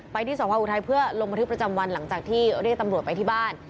ที่สภอุทัยเพื่อลงบันทึกประจำวันหลังจากที่เรียกตำรวจไปที่บ้าน